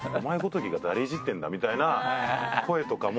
みたいな声とかも。